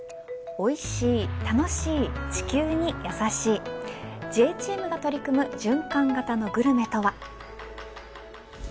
おいしい、楽しい地球にやさしいＪチームが取り組む循環型のグルメとは。